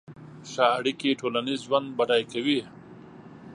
ښه اړیکې ټولنیز ژوند بډای کوي.